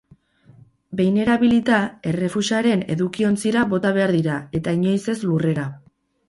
Behin erabilita, errefusaren edukiontzira bota behar dira, eta inoiz ez lurrera.